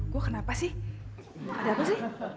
gue kenapa sih ada apa sih